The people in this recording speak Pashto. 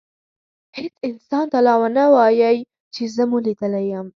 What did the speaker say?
هیڅ انسان ته لا ونه وایئ چي زه مو لیدلی یم.